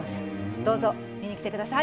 どうぞ見に来てください。